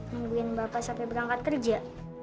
nungguin bapak sampai berangkat kerja